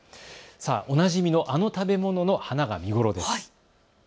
おなじみの、あの食べ物の花が見頃です。